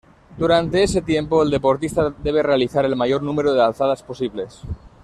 Durante ese tiempo el deportista debe realizar el mayor número de alzadas posibles.